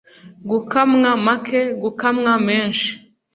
gukamwa make gukamwa menshi